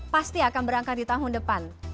pasti akan berangkat di tahun depan